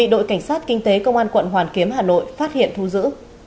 đội cảnh sát kinh tế công an quận hoàn kiếm hà nội phát hiện thu giữ